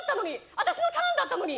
私のターンだったのに！